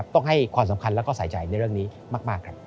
ต้องให้ความสำคัญแล้วก็ใส่ใจในเรื่องนี้มากครับ